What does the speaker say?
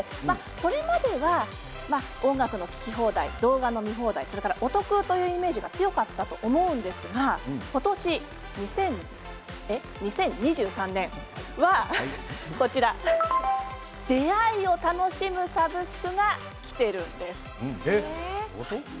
これまでは音楽の聴き放題動画の見放題お得というイメージが強かったと思うんですが今年、２０２３年は出会いを楽しむサブスクがきてるんです。